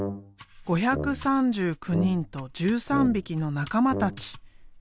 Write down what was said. ５３９人と１３びきの仲間たち。